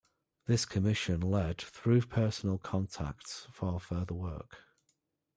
This commission led, through personal contacts, for further work.